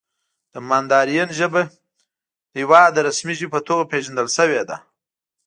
د ماندارین ژبه د هېواد د رسمي ژبې په توګه پېژندل شوې ده.